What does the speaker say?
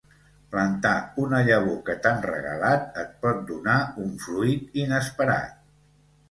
Plantar una llavor que t'han regalat et pot donar un fruit inesperat